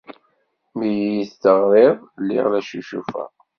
Mi iyi-d-teɣriḍ, lliɣ la ccucufeɣ.